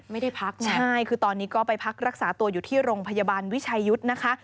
ไม่ได้พักนะใช่คือตอนนี้ก็ไปพักรักษาตัวอยู่ที่โรงพยาบาลวิชัยยุทธ์นะคะ